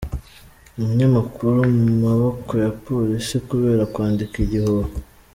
Umunyamakuru mu maboko ya Polisi kubera kwandika igihuha